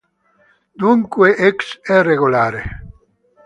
Dunque "X" è regolare.